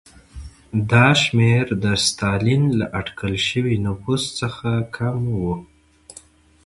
دا شمېر د ستالین له اټکل شوي نفوس څخه کم و.